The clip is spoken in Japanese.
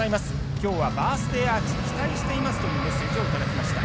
きょうはバースデーアーチ期待していますというメッセージをいただきました。